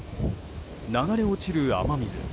流れ落ちる雨水。